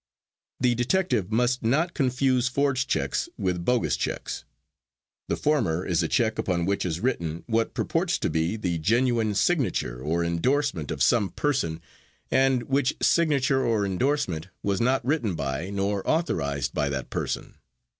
The detective must not confuse forged checks with bogus checks. The former is a check upon which is written what purports to be the genuine signature or endorsement of some person and which signature or endorsement was not written by, nor authorized by that person.